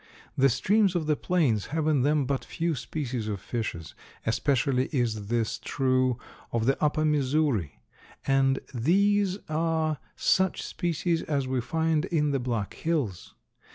The streams of the plains have in them but few species of fishes; especially is this true of the upper Missouri, and these are such species as we find in the Black Hills.